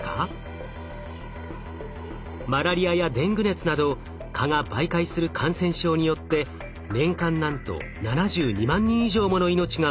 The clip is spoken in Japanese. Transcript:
マラリアやデング熱など蚊が媒介する感染症によって年間なんと７２万人以上もの命が奪われています。